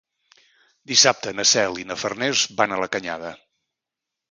Dissabte na Cel i na Farners van a la Canyada.